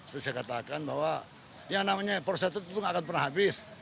saya katakan bahwa yang namanya perusahaan itu tidak akan pernah habis